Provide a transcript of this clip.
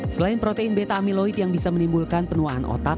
selain protein beta amiloid yang bisa menimbulkan penuaan otak